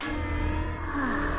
はあ。